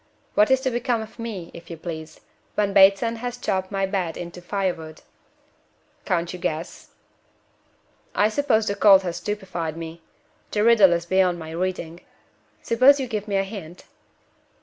"What is to become of me, if you please, when Bateson has chopped my bed into fire wood?" "Can't you guess?" "I suppose the cold has stupefied me. The riddle is beyond my reading. Suppose you give me a hint?"